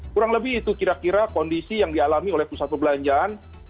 kurang lebih itu kira kira kondisi yang dialami oleh pusat perbelanjaan